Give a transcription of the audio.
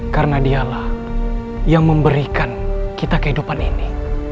karena dialah yang memberikan kita kehidupan ini